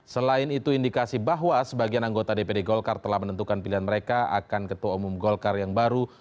selain itu indikasi bahwa sebagian anggota dpd golkar telah menentukan pilihan mereka akan ketua umum golkar yang baru